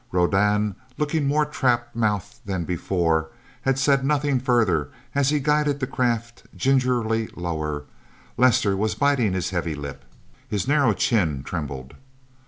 Rodan, looking more trap mouthed than before, had said nothing further as he guided the craft gingerly lower. Lester was biting his heavy lip. His narrow chin trembled.